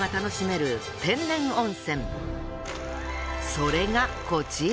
それがこちら。